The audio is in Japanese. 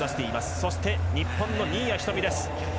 そして、日本の新谷仁美です。